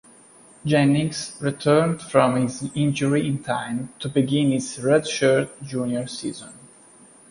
Jennings returned from his injury in time to begin his redshirt junior season.